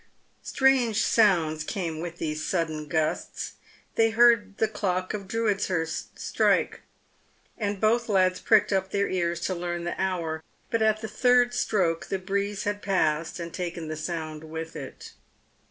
Strange sounds came with these sudden gusts. They heard the clock of Drudeshurst strike, and both lads pricked up their ears to learn the hour, but at the third stroke the breeze had passed and taken the sound with it.